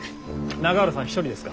永浦さん一人ですか？